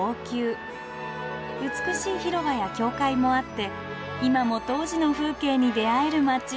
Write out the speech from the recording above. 美しい広場や教会もあって今も当時の風景に出会える街。